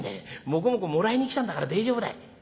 もこもこもらいに来たんだから大丈夫だよ」。